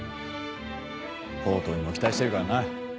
ほう統にも期待してるからな。